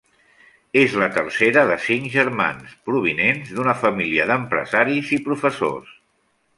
És la tercera de cinc germans, provinents d'una família d'empresaris i professors.